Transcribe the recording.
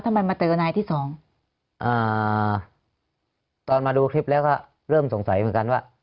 มาเจอนายที่สองอ่าตอนมาดูคลิปแล้วก็เริ่มสงสัยเหมือนกันว่า